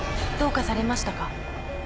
どうかされましたか？